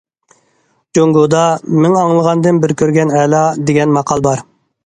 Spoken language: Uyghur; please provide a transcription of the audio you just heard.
جۇڭگودا« مىڭ ئاڭلىغاندىن بىر كۆرگەن ئەلا» دېگەن ماقال بار.